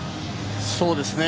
そうですね。